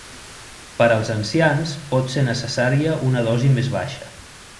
Per als ancians pot ser necessària una dosi més baixa.